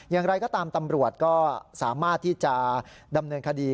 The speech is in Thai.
อย่างไรก็ตามตำรวจก็สามารถที่จะดำเนินคดี